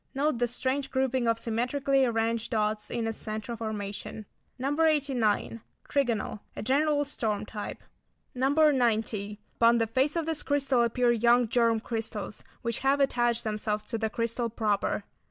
Note the strange grouping of symmetrically arranged dots in its centre formation. No. 89. Trigonal. A general storm type. No. 90. Upon the face of this crystal appear young germ crystals which have attached themselves to the crystal proper.